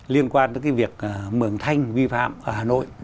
liên quan tới cái việc mường thanh vi phạm ở hà nội